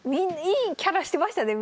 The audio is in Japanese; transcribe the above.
いいキャラしてましたね